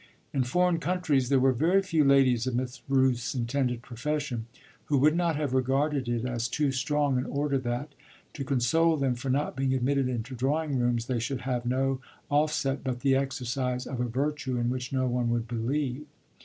In foreign countries there were very few ladies of Miss Rooth's intended profession who would not have regarded it as too strong an order that, to console them for not being admitted into drawing rooms, they should have no offset but the exercise of a virtue in which no one would believe.